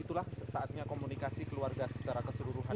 itulah saatnya komunikasi keluarga secara keseluruhan